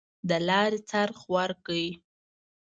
د لاري خرڅ ورکړ.